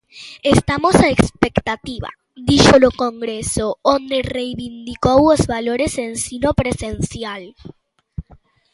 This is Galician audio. "Estamos á expectativa", dixo no Congreso, onde reivindicou os valores ensino presencial.